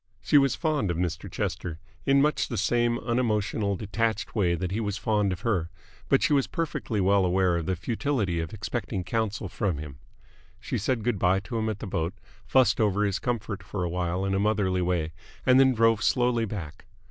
She was fond of Mr. Chester in much the same unemotional, detached way that he was fond of her, but she was perfectly well aware of the futility of expecting counsel from him. She said good bye to him at the boat, fussed over his comfort for awhile in a motherly way, and then drove slowly back.